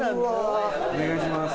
お願いします。